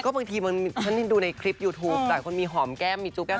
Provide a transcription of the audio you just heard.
บางทีฉันดูในคลิปยูทูปหลายคนมีหอมแก้มมีจูแก้ม